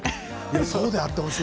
そうであってほしい。